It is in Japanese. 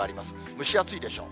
蒸し暑いでしょう。